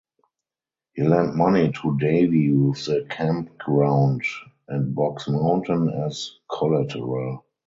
He lent money to Davey with the campground and Boggs Mountain as collateral.